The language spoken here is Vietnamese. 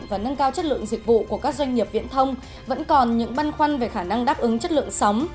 và nâng cao chất lượng dịch vụ của các doanh nghiệp viễn thông vẫn còn những băn khoăn về khả năng đáp ứng chất lượng sóng